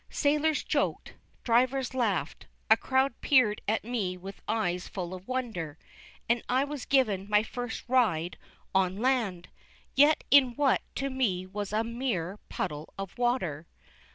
Sailors joked, drivers laughed, a crowd peered at me with eyes full of wonder, and I was given my first ride on land, yet in what to me was a mere puddle of water.